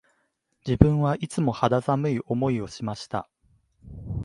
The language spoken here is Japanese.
自分はいつも肌寒い思いをしました